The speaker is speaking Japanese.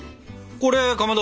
これかまど